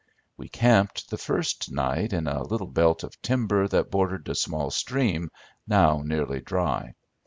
"We camped the first night in a little belt of timber that bordered a small stream, now nearly dry.